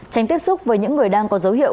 tránh tiếp xúc với những người đang có dấu hiệu